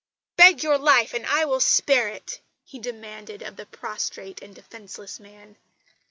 "Beg your life, and I will spare it," he demanded of the prostrate and defenceless man.